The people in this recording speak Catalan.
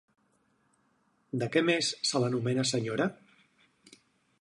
De què més se l'anomena senyora?